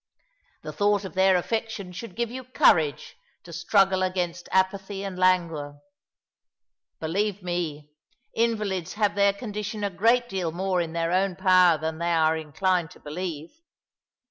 The thought of their affection should give you courage to struggle against apathy and languor. Believe me, invalids have their condition a great deal more in their own power than they are inclined to believe.